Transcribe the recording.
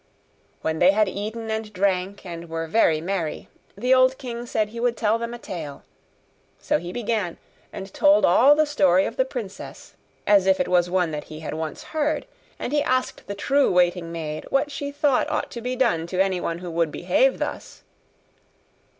When they had eaten and drank, and were very merry, the old king said he would tell them a tale. So he began, and told all the story of the princess, as if it was one that he had once heard; and he asked the true waiting maid what she thought ought to be done to anyone who would behave thus.